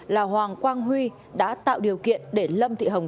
là hoàng quang huy đã tạo điều kiện để lâm thị hồng